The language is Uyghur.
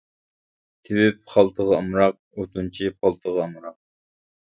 تېۋىپ خالتىغا ئامراق، ئوتۇنچى پالتىغا ئامراق.